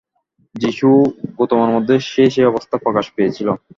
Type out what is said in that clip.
যীশু ও গৌতমের মধ্যে সেই সেই অবস্থা প্রকাশ পেয়েছিল।